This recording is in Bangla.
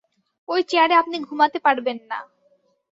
ওই চেয়ারে আপনি ঘুমাতে পারবেন না।